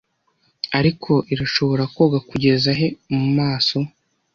Ariko irashobora koga kugeza he mumaso